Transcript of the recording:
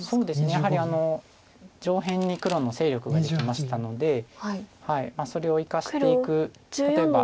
やはり上辺に黒の勢力ができましたのでそれを生かしていく例えば。